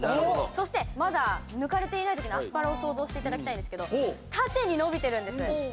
そしてまだ抜かれていない時のアスパラを想像していただきたいんですが縦に伸びてるんです。